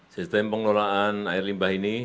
sistem pengelolaan air limbah ini